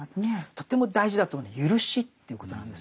とても大事だと思うのは「ゆるし」ということなんですね。